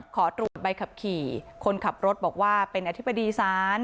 ขอตรวจใบขับขี่คนขับรถบอกว่าเป็นอธิบดีศาล